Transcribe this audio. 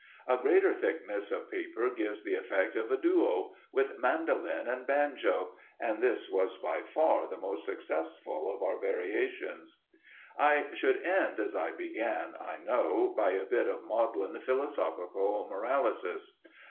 A greater thickness of paper gives the effect of a duo with mandolin and banjo, and this was by far the most successful of our variations. I should end as I began, I know, by a bit of maudlin philosophical moralysis.